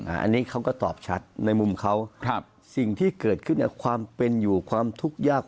อันนี้เขาก็ตอบชัดในมุมเขาครับสิ่งที่เกิดขึ้นความเป็นอยู่ความทุกข์ยาก